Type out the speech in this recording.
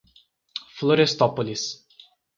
Florestópolis